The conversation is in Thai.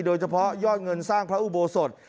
โดยเฉพาะยอดเงินสร้างพระอุโบสถ